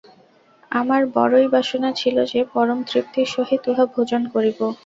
আমার বড়ই বাসনা ছিল যে, পরম তৃপ্তির সহিত উহা ভোজন করিব।